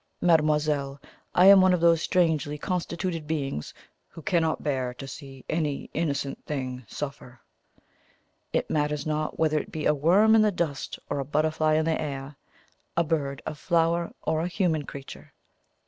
"Mademoiselle, I am one of those strangely constituted beings who cannot bear to see any innocent thing suffer. It matters not whether it be a worm in the dust, a butterfly in the air, a bird, a flower, or a human creature.